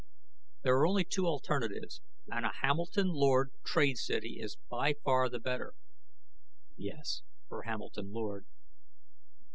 "There are only two alternatives, and a Hamilton Lord trade city is by far the better." "Yes for Hamilton Lord."